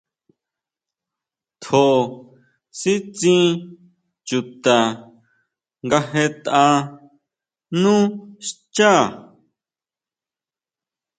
Tjó sitsín chuta nga jetʼa nú xchá.